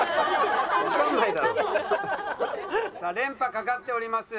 さあ連覇懸かっております。